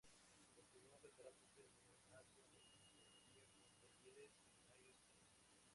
Continúa preparándose en el área de la fotografía con talleres, seminarios y cursos.